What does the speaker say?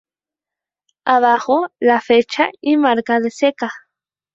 Abajo, la fecha y marca de ceca.